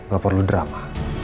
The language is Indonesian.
gak perlu drama